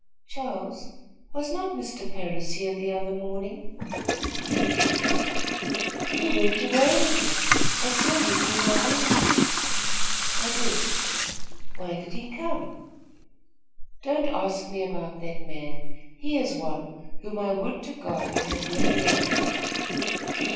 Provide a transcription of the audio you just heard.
"Charles, was not Mr. Parris here the other morning?" "Yes." "You went away with him; I saw you through my window." "I did." "Why did he come?" "Don't ask me about that man. He is one whom I would to God I had never known."